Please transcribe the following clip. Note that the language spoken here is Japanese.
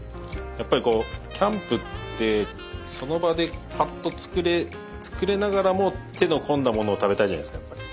やっぱりこうキャンプってその場でパッと作れながらも手の込んだものを食べたいじゃないですかやっぱり。